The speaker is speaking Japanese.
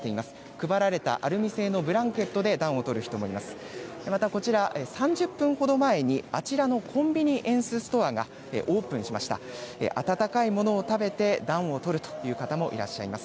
配られたアルミ製のブランケットで暖をとる人もいます。